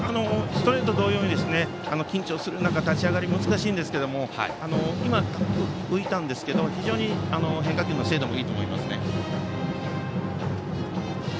ストレート同様に緊張する中立ち上がりは難しいんですが今は浮いたんですが非常に変化球の精度もいいと思いますね。